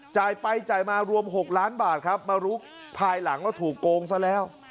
จ่ายไปจ่ายมารวม๖ล้านบาทครับมารู้ภายหลังว่าถูกโกงซะแล้ว